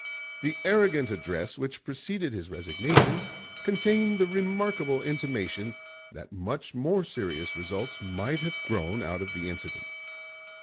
The arrogant address which preceded his resignation contained the remarkable intimation that much more serious results might have grown out of the incident.